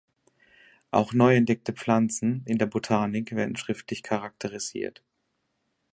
Auch neu entdeckte Pflanzen in der Botanik werden schriftlich charakterisiert.